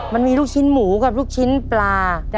มันมีลูกชิ้นหมูกับลูกชิ้นปลา